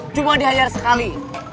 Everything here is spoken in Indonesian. cuma diajar sekali